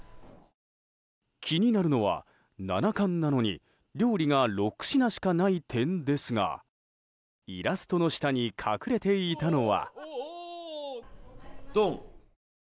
気になるのは、七冠なのに料理が６品しかない点ですがイラストの下に隠れていたのは。